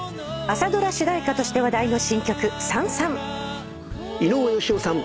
朝ドラ主題歌として話題の新曲『燦燦』井上芳雄さん